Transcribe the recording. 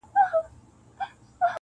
زۀ خداى ساتلمه چي نۀ راپرېوتم او تلمه,